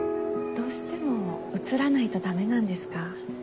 どうしても移らないとダメなんですか？